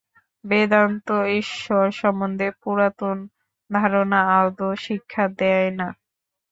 বেদান্ত ঈশ্বর সম্বন্ধে পুরাতন ধারণা আদৌ শিক্ষা দেয় না।